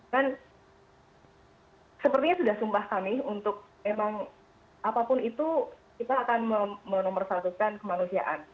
kan sepertinya sudah sumpah kami untuk memang apapun itu kita akan menomorsatukan kemanusiaan